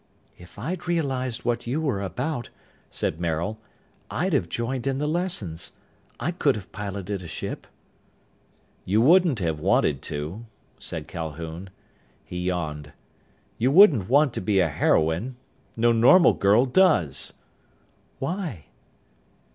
"If I'd realized what you were about," said Maril, "I'd have joined in the lessons. I could have piloted a ship." "You wouldn't have wanted to," said Calhoun. He yawned. "You wouldn't want to be a heroine. No normal girl does." "Why?"